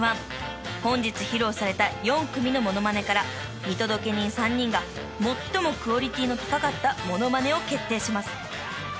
［本日披露された４組のモノマネから見届け人３人が最もクオリティーの高かったモノマネを決定します］